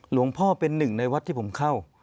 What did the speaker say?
หลวงพ่อเป็นหนึ่งในวัดที่ผมเข้า